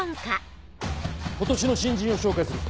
今年の新人を紹介する。